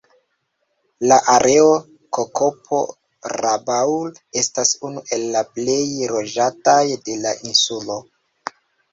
La areo Kokopo-Rabaul estas unu el la plej loĝataj de la insulo.